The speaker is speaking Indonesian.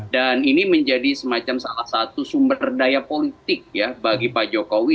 dan ini menjadi semacam salah satu sumber daya politik ya bagi pak jokowi